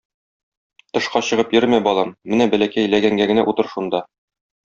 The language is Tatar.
Тышка чыгып йөрмә, балам, менә бәләкәй ләгәнгә генә утыр шунда.